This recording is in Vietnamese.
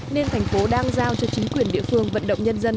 nên thành phố đang giao cho chính quyền địa phương vận động nhân dân